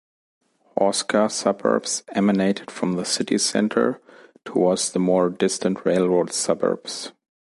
Horsecar suburbs emanated from the city center towards the more distant railroad suburbs.